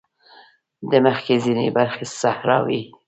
د مځکې ځینې برخې صحراوې دي.